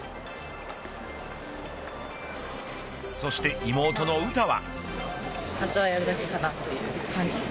そして妹の詩は。